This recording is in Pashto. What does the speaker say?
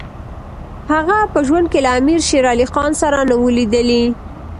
هغه په ژوند کې له امیر شېر علي خان سره نه وو لیدلي.